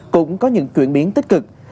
cũng có những chuyển biến tích cực